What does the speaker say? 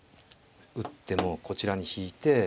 打ってもこちらに引いて。